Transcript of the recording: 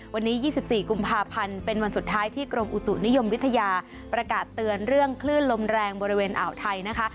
วันนี้๒๔กุมภาพันธ์เป็นวันสุดท้ายที่กรมอุตุนิยมวิทยาประกาศเตือนเรื่องคลื่นลมแรงบริเวณอ่าวไทยนะคะ